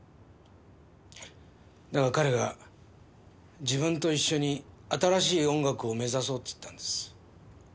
だが彼が自分と一緒に新しい音楽を目指そうって言ったんです。